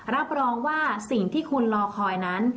รับรองว่าสิ่งที่คุณรอคอยนั้น